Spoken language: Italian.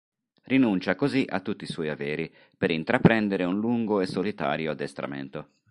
Rinuncia così a tutti i suoi averi per intraprendere un lungo e solitario addestramento.